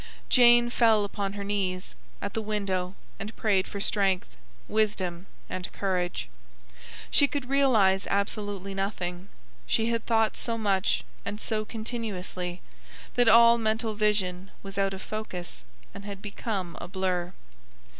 Jane fell upon her knees, at the window, and prayed for strength, wisdom, and courage. She could realise absolutely nothing. She had thought so much and so continuously, that all mental vision was out of focus and had become a blur.